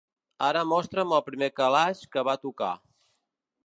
Ara mostra'm el primer calaix que va tocar.